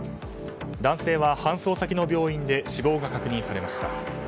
男性は、搬送先の病院で死亡が確認されました。